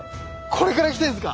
これからきてるんですか。